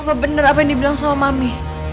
apa benar apa yang dibilang sama mami